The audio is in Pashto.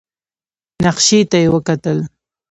نخشې ته يې وکتل.